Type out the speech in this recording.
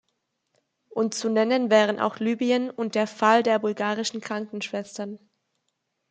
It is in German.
Und zu nennen wären auch Libyen und der Fall der bulgarischen Krankenschwestern.